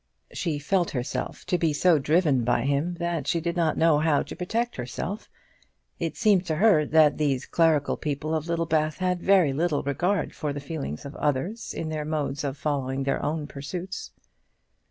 She felt herself to be so driven by him that she did not know how to protect herself. It seemed to her that these clerical people of Littlebath had very little regard for the feelings of others in their modes of following their own pursuits.